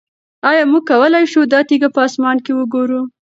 آیا موږ کولی شو دا تیږه په اسمان کې وګورو؟